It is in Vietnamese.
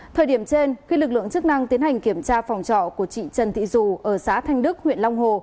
thời điểm trên khi lực lượng chức năng tiến hành kiểm tra phòng trọ của chị trần thị dù ở xã thanh đức huyện long hồ